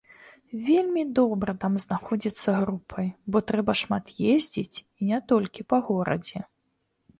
Вельмі добра там знаходзіцца групай, бо трэба шмат ездзіць, і не толькі па горадзе.